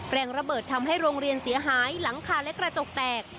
แรงระเบิดทำให้โรงเรียนเสียหายหลังคาและกระจกแตก